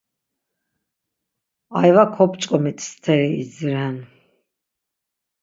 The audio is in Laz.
Ayva kop̌ç̌ǩomit steri idziren.